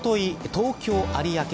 東京、有明